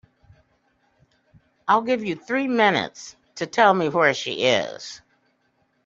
I'll give you three minutes to tell me where she is.